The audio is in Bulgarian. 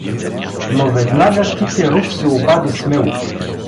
Но веднага Китеров се обади смело.